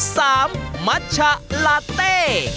สามมัชชะลาเต้